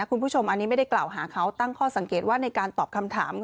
คุณผู้ชมอันนี้ไม่ได้กล่าวหาเขาตั้งข้อสังเกตว่าในการตอบคำถาม